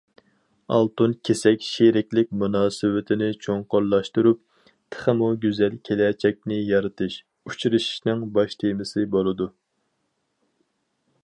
« ئالتۇن كېسەك شېرىكلىك مۇناسىۋىتىنى چوڭقۇرلاشتۇرۇپ، تېخىمۇ گۈزەل كېلەچەكنى يارىتىش»- ئۇچرىشىشنىڭ باش تېمىسى بولىدۇ.